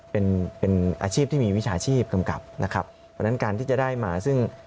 เป็นเป็นอาชีพที่มีวิชาชีพกำกับนะครับเพราะฉะนั้นการที่จะได้มาซึ่ง